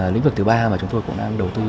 lĩnh vực thứ ba mà chúng tôi cũng đang đầu tư